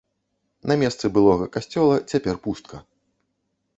На месцы былога касцёла цяпер пустка.